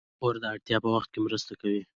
پور د اړتیا په وخت کې مرسته کوي.